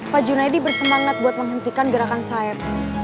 pak junaedi bersemangat buat menghentikan gerakan saeb